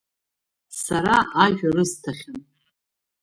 Сара ажәа рысҭахьан…